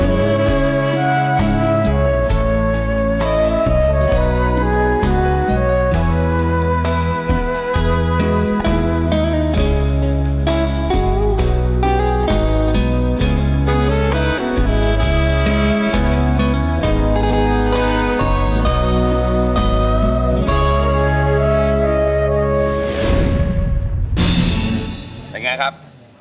เป็นอย่างไรครับ